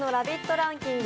ランキング